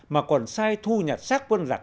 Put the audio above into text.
mà còn sai thu nhặt sát quân giặc